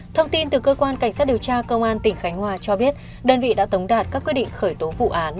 thông tin từ cơ quan cảnh sát điều tra công an tỉnh khánh hòa cho biết đơn vị đã tống đạt các quyết định khởi tố vụ án